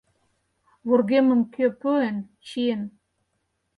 Вургемым кӧ пуэн — чиен.